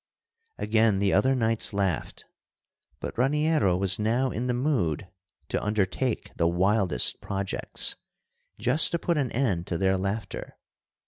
Again the other knights laughed, but Raniero was now in the mood to undertake the wildest projects, just to put an end to their laughter.